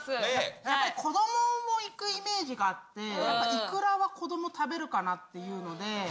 やっぱり子どもも行くイメージがあって、いくらは子ども食べるかなっていうので。